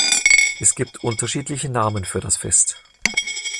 Es gibt unterschiedliche Namen für das Fest.